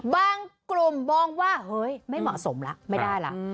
กลุ่มมองว่าเฮ้ยไม่เหมาะสมแล้วไม่ได้ละ